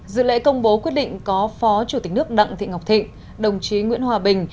dự lễ công bố quyết định có phó chủ tịch nước đặng thị ngọc thịnh đồng chí nguyễn hòa bình